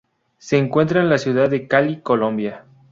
Se encuentra en la ciudad de Cali, Colombia.